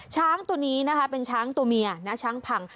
ช้างตัวนี้นะคะเป็นช้างตัวเมียนะช้างพัง